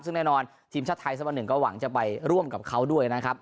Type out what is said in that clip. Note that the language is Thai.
ซึ่งแน่นอนทีมชาติไทยสักวันหนึ่งก็หวังจะไปร่วมกับเขาด้วยนะครับ